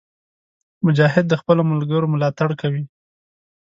مجاهد د خپلو ملګرو ملاتړ کوي.